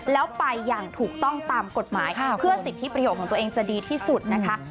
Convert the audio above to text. แล้วไปอย่างถูกต้องตามกฎหมายเพื่อสิทธิประโยชน์ของตัวเองจะดีที่สุดนะคะ